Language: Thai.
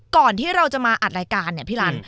ก่อนที่เราจะมาอัดรายการเนี่ยพี่รัน